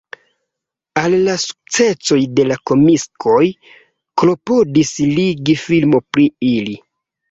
Al la sukcesoj de la komiksoj klopodis ligi filmo pri ili.